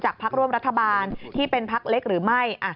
พักร่วมรัฐบาลที่เป็นพักเล็กหรือไม่